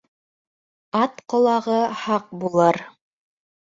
Ат ҡолағы һаҡ булыр.